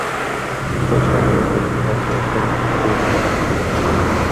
Till första maj lät vi hämta femtio tåg med rosor.